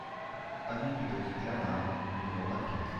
Avenue du Petit Clamart au numéro vingt-quatre